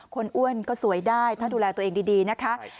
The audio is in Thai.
อ้วนก็สวยได้ถ้าดูแลตัวเองดีนะคะ